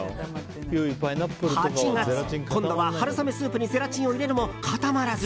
８月、今度は春雨スープにゼラチンを入れるも固まらず